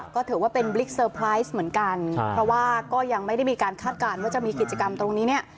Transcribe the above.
ก็ถือว่าเป็นบิ๊กเซอร์ไพรส์เหมือนกันเพราะว่าก็ยังไม่ได้มีการคาดการณ์ว่าจะมีกิจกรรมตรงนี้เนี่ย